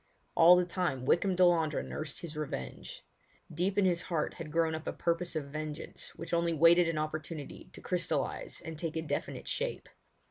All the time Wykham Delandre nursed his revenge. Deep in his heart had grown up a purpose of vengeance which only waited an opportunity to crystallise and take a definite shape.